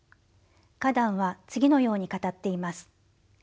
カダンは次のように語っています。